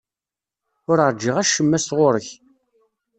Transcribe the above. Ur ṛjiɣ acemma sɣur-k.